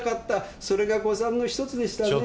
それが誤算のひとつでしたねえ。